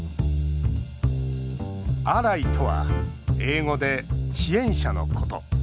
アライとは英語で支援者のこと。